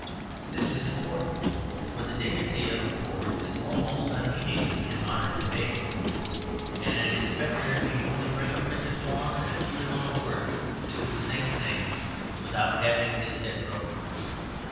This is important; for the dignity of the poor is almost unmeaning in modern debates; and an inspector need only bring a printed form and a few long words to do the same thing without having his head broken.